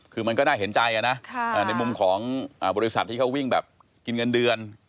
คือมันก็น่าเห็นใจนะในมุมของบริษัทที่เขาวิ่งแบบกินเงินเดือน